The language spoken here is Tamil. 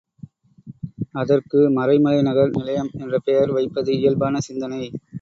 அதற்கு மறைமலைநகர் நிலையம் என்ற பெயர் வைப்பது இயல்பான சிந்தனை.